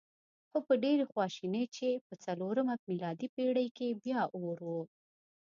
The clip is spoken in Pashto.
خو په ډېرې خواشینۍ چې په څلورمه میلادي پېړۍ کې بیا اور و.